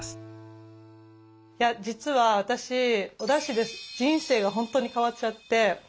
実は私おだしで人生が本当に変わっちゃって。